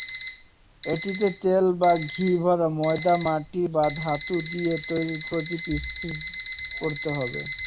এটিতে তেল বা ঘি ভরা ময়দা, মাটি বা ধাতু দিয়ে তৈরি প্রদীপ স্থির করতে হবে।